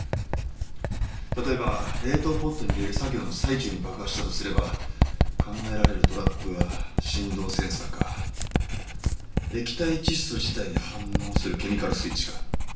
例えば冷凍ポッドに入れる作業の最中に爆破したとすれば考えられるトラップは振動センサーか液体窒素自体に反応するケミカルスイッチか。